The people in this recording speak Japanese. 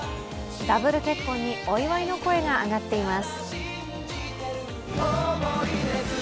ダブル結婚にお祝いの声が上がっています。